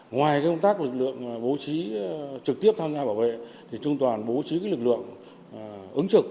ngoài công tác lực lượng bố trí trực tiếp tham gia bảo vệ trung đoàn bố trí lực lượng